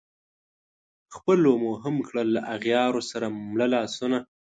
خلپو مو هم کړل له اغیارو سره مله لاسونه